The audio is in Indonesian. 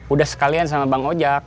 udah sekalian sama bang ojak